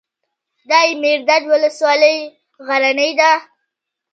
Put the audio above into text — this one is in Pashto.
دایمیرداد ولسوالۍ غرنۍ ده؟